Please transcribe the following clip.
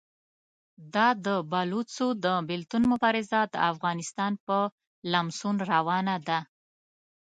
دا د بلوڅو د بېلتون مبارزه د افغانستان په لمسون روانه ده.